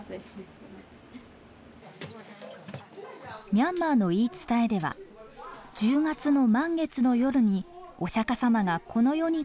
ミャンマーの言い伝えでは「１０月の満月の夜にお釈様がこの世に帰ってくる」といいます。